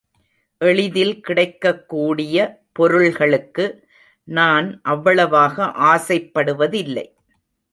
எளிதில் கிடைக்கக்கூடிய பொருள்களுக்கு நான் அவ்வளாக ஆசைப்படுவதில்லை.